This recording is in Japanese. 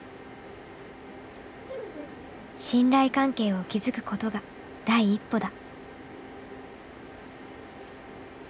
信頼関係を築くことが第一歩だ。